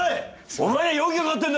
お前容疑がかかってるんだ！